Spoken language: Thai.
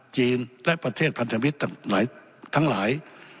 จีนและประเทศพันธมิตรหลายทั้งหลาย